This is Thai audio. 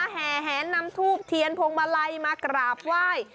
แห่แหนนำทูบเทียนพวงมาลัยมากราบไหว้